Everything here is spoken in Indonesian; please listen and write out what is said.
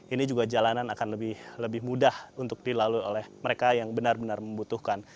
ini juga jalanan akan lebih mudah untuk dilalui oleh mereka yang benar benar membutuhkan